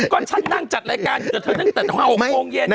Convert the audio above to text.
ก็ฉันนั่งจัดรายการอยู่กับเธอตั้งแต่๖โมงเย็น